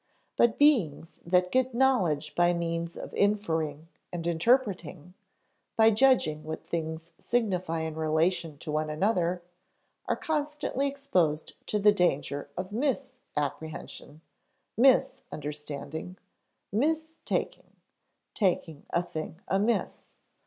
But beings that get knowledge by means of inferring and interpreting, by judging what things signify in relation to one another, are constantly exposed to the danger of mis apprehension, mis understanding, mis taking taking a thing amiss.